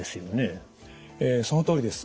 そのとおりです。